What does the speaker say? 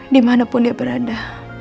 dimanapun dia berada